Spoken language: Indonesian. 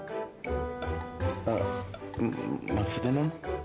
eh maksudnya non